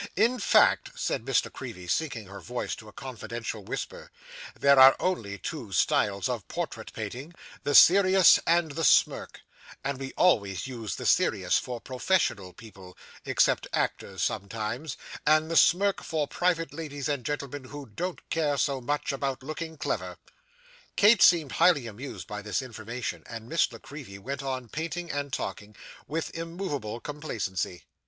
In fact,' said Miss La Creevy, sinking her voice to a confidential whisper, 'there are only two styles of portrait painting; the serious and the smirk; and we always use the serious for professional people (except actors sometimes), and the smirk for private ladies and gentlemen who don't care so much about looking clever.' Kate seemed highly amused by this information, and Miss La Creevy went on painting and talking, with immovable complacency.